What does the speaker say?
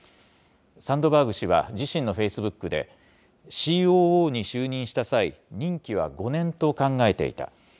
サンドバーグ氏は自身のフェイスブックで、ＣＯＯに就任した際、任期は５年と考えていた。